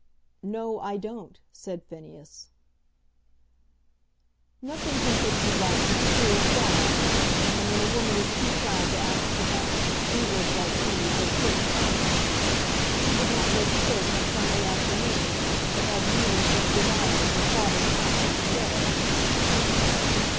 "No, I don't," said Phineas. "Nothing can put you right but the fear of God; and when a woman is too proud to ask for that, evils like these are sure to come. She would not go to church on Sunday afternoon, but had meetings of Belial at her father's house instead."